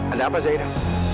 ada apa zaira